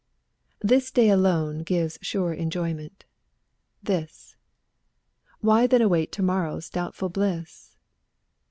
This day alone gives sure enjoyment — this! Why then await tomorrow's doubtful bliss?